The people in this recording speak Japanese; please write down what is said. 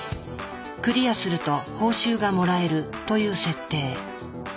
クリアすると報酬がもらえるという設定。